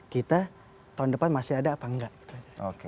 kita tahun depan masih ada apa nggak